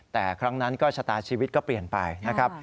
แต่ครั้งนั้นก็ชะตาชีวิตก็เปลี่ยนไปนะครับ